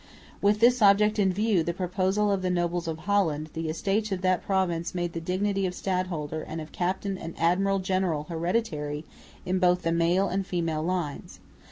With this object in view, on the proposal of the nobles of Holland, the Estates of that province made the dignity of stadholder and of captain and admiral general hereditary in both the male and female lines.